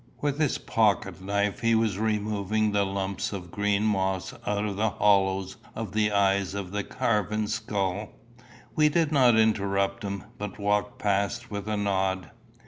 With his pocket knife he was removing the lumps of green moss out of the hollows of the eyes of the carven skull. We did not interrupt him, but walked past with a nod.